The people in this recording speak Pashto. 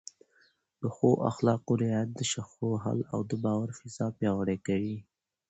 د ښو اخلاقو رعایت د شخړو حل او د باور فضا پیاوړې کوي.